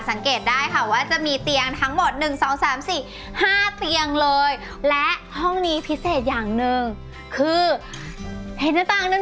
สังเกตได้ค่ะว่าจะมีเตียงทั้งหมด๑๒๓๔๕เตียงเลยและห้องนี้พิเศษอย่างหนึ่งคือเห็นต่างหนึ่ง